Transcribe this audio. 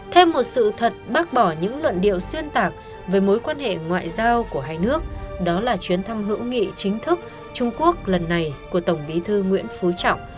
thêm một sự thật bác bỏ những luận điệu xuyên tạc về mối quan hệ ngoại giao của hai nước đó là chuyến thăm hữu nghị chính thức trung quốc lần này của tổng bí thư nguyễn phú trọng